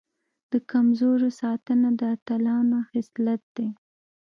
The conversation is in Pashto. د کمزورو ساتنه د اتلانو خصلت دی.